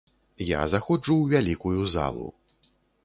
Я заходжу ў вялікую залу.